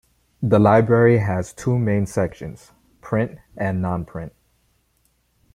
The library has two main sections, print and non-print.